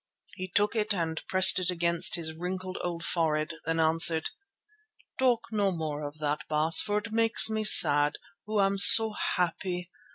He took it and pressed it against his wrinkled old forehead, then answered: "Talk no more of that, Baas, for it makes me sad, who am so happy.